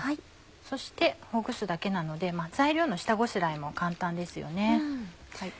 そしてほぐすだけなので材料の下ごしらえも簡単ですよね。